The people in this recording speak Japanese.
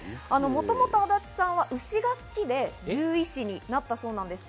もともと足立さんは牛が好きで獣医師になったそうです。